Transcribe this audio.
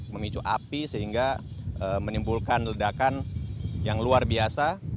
memicu api sehingga menimbulkan ledakan yang luar biasa